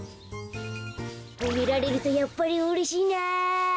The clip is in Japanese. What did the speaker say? ほめられるとやっぱりうれしいな。